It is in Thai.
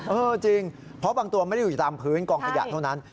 เออจริงเพราะบางตัวไม่ได้อยู่ตามพื้นกองขยะเท่านั้น